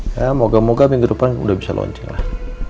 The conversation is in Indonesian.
ya moga moga minggu depan udah bisa launching lah